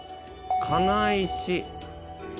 「金石」